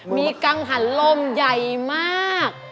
มีกังหันลมใหญ่มาก